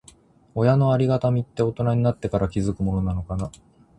親のありがたみって、大人になってから気づくものなのかな。